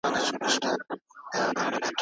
که علم وي نو هېواد نه ورانیږي.